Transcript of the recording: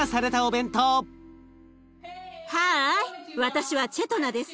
私はチェトナです。